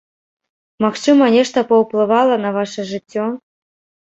Магчыма, нешта паўплывала на ваша жыццё?